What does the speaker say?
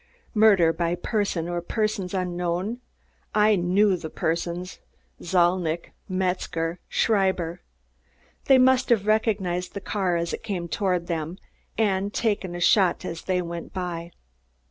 Murder by person or persons unknown? I knew the persons: Zalnitch, Metzger, Schreiber. They must have recognized the car as it came toward them and taken a shot as they went by.